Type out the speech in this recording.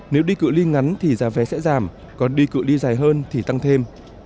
nếu đi cự li ngắn thì giá vé sẽ giảm còn đi cự li dài hơn thì tăng thêm